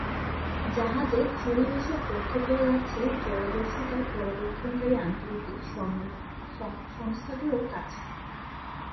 জাহাজে চুরির এসব তথ্য চলে যাচ্ছে জলদস্যুতা পর্যবেক্ষণকারী আন্তর্জাতিক সংস্থাগুলোর কাছে।